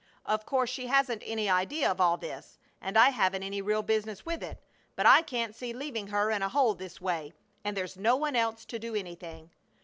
Of course she hasn't any idea of all this, and I haven't any real business with it, but I can't see leaving her in a hole this way; and there's no one else to do anything.